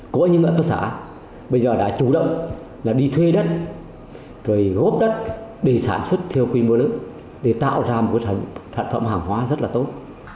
có những hợp tác xã bây giờ đã chủ động là đi thuê đất rồi góp đất để sản xuất theo quy mô lớn để tạo ra một sản phẩm hàng hóa rất là tốt